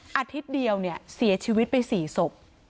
อาทิตย์เดียวเนี่ยเสียชีวิตไป๔ศพ